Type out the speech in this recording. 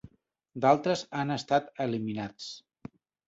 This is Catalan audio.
D'altres han estat eliminats.